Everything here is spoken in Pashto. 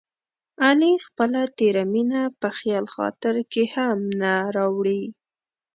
علي خپله تېره مینه په خیال خاطر کې هم نه راوړي.